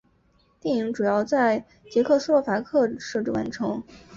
电影主要在捷克斯洛伐克摄制完成。